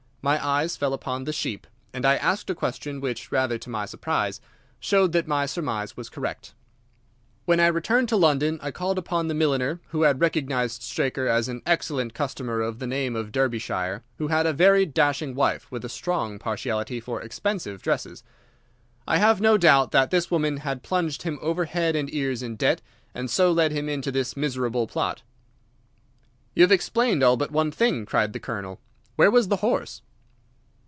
My eyes fell upon the sheep, and I asked a question which, rather to my surprise, showed that my surmise was correct. "When I returned to London I called upon the milliner, who had recognised Straker as an excellent customer of the name of Derbyshire, who had a very dashing wife, with a strong partiality for expensive dresses. I have no doubt that this woman had plunged him over head and ears in debt, and so led him into this miserable plot." "You have explained all but one thing," cried the Colonel. "Where was the horse?"